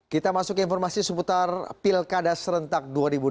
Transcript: kita masuk ke informasi seputar pilkada serentak dua ribu delapan belas